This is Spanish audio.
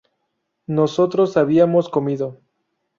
nosotros habíamos comido